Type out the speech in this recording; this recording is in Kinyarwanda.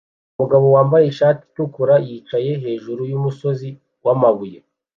Umugabo wambaye ishati itukura yicaye hejuru yumusozi wamabuye